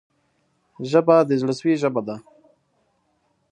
ژبه د زړه سوي ژبه ده